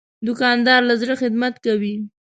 دوکاندار له زړه خدمت کوي.